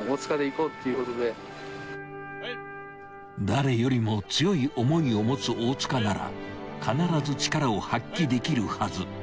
［誰よりも強い思いを持つ大塚なら必ず力を発揮できるはず］